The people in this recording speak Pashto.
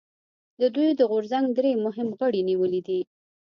د دوی د غورځنګ درې مهم غړي نیولي دي